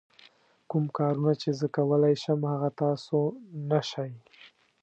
کوم کارونه چې زه کولای شم هغه تاسو نه شئ.